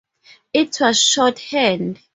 It was shorthand.